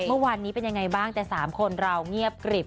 เมื่อวานนี้เป็นยังไงบ้างแต่๓คนเราเงียบกริบ